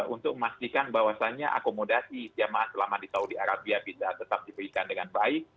untuk memastikan bahwasannya akomodasi jamaah selama di saudi arabia bisa tetap diberikan dengan baik